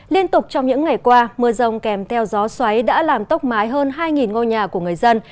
liên tục trong những ngày qua mưa rông kèm theo gió xoáy đã làm tốc mái hơn hai ngôi nhà của người dân